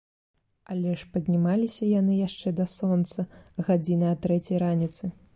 Але ж і паднімаліся яны яшчэ да сонца, гадзіны а трэцяй раніцы.